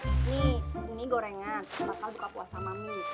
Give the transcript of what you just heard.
nih ini gorengan bakal buka puasa mami